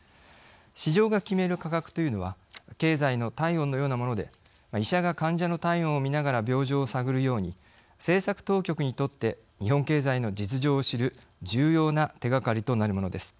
市場が決める価格というのは経済の体温のようなもので医者が患者の体温を見ながら病状を探るように政策当局にとって日本経済の実情を知る重要な手がかりとなるものです。